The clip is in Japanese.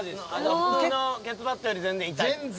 普通のケツバットより痛い？